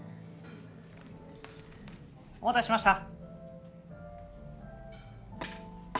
お待たせしました。